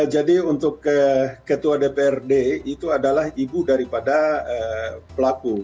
jadi untuk ketua dprd itu adalah ibu daripada pelaku